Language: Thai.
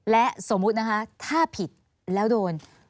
และสมมุตินะคะถ้าผิดแล้วโดน